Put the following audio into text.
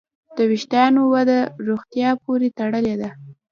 د وېښتیانو وده روغتیا پورې تړلې ده.